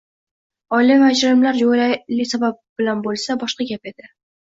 Oilaviy ajrimlar jo‘yali sabab bilan bo‘lsa, boshqa gap edi.